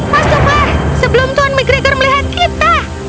masuklah sebelum tuan mcgregor melihat kita